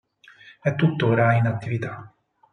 È tuttora in attività.